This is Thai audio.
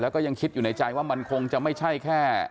แล้วก็ยังคิดอยู่ในใจว่ามันคงจะไม่ใช่แค่